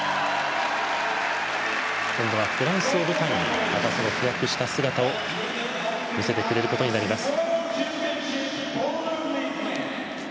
今度はフランスを舞台に成長した姿を見せてくれることになります。